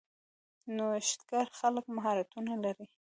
نوښتګر خلک مهارتونه لري.